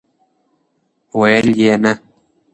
ویل یې، نه!!!